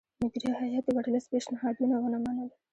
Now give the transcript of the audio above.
مدیره هیات د ورلسټ پېشنهادونه ونه منل.